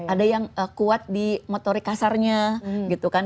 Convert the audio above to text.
ada yang kuat di motorik kasarnya gitu kan